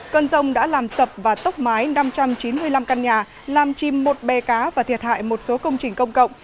cơn rông đã làm sập và tốc mái năm trăm chín mươi năm căn nhà làm chim một bè cá và thiệt hại một số công trình công cộng